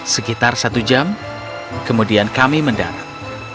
sekitar satu jam kemudian kami mendarat